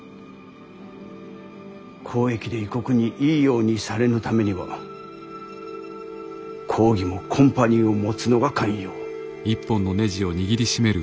交易で異国にいいようにされぬためには公儀もコンパニーを持つのが肝要。